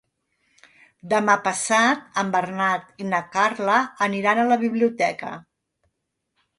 Demà passat en Bernat i na Carla aniran a la biblioteca.